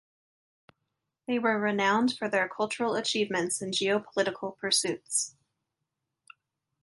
They were renowned for their cultural achievements and geopolitical pursuits.